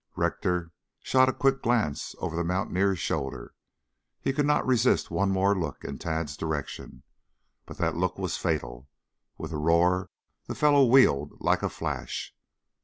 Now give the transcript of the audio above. Rector shot a quick glance over the mountaineer's shoulder. He could not resist one more look in Tad's direction. But that look was fatal. With a roar the fellow wheeled like a flash.